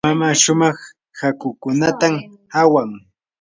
mamaa shumaq hakukunatam awan.